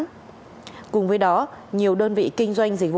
cùng với đó nhiều đơn vị kinh doanh dịch vụ đơn vị kinh doanh dịch vụ